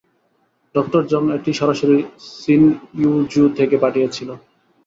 Doctor Jong এটিই সরাসরি Sinuiju থেকে পাঠিয়েছিল।